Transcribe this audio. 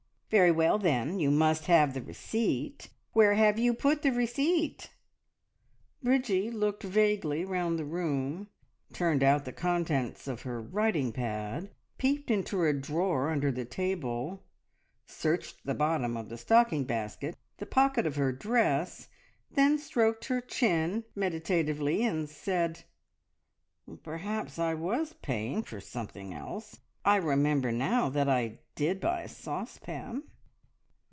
"Very well, then, you must have the receipt. Where have you put the receipt?" Bridgie looked vaguely round the room, turned out the contents of her writing pad, peeped into a drawer under the table, searched the bottom of the stocking basket, the pocket of her dress, then stroked her chin meditatively, and said "Perhaps I was paying for something else! I remember now that I did buy a saucepan."